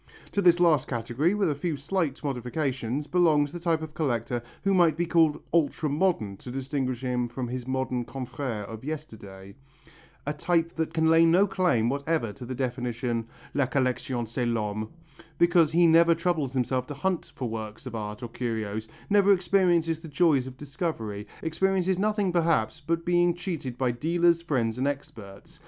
To this last category, with a few slight modifications, belongs the type of collector who might be called ultra modern to distinguish him from his modern confrères of yesterday, a type that can lay no claim whatever to the definition "La collection c'est l'homme," because he never troubles himself to hunt for works of art or curios, never experiences the joys of discovery, experiences nothing perhaps, but being cheated by dealers, friends and experts.